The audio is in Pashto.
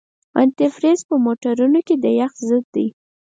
انتي فریز په موټرونو کې د یخ ضد دی.